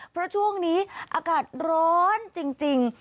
เพราะช่วงนี้อากาศร้อนจริง